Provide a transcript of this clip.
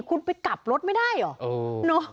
คุณไปกลับรถไม่ได้เหรอ